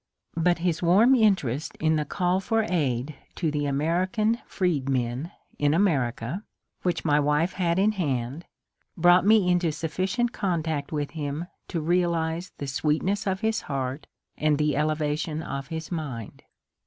But his warm 46 MONCURE DANIEL CONWAY interest in the call for aid to the American freedmen in America, which my wife had in hand, brought me into suffi cient contact with him to realize the sweetness of his heart and the elevation of his mind.